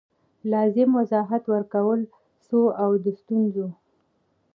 لازم وضاحت ورکړل سو او د ستونزو